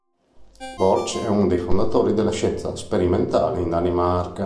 Borch è uno dei fondatori della scienza sperimentale in Danimarca.